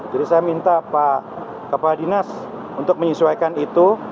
jadi saya minta pak kepala dinas untuk menyesuaikan itu